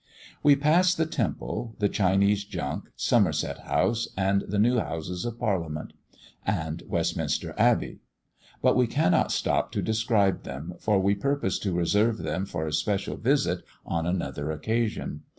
We pass the Temple, the Chinese Junk, Somerset house, the new Houses of Parliament, and Westminster Abbey, but we cannot stop to describe them, for we purpose to reserve them for a special visit on another occasion.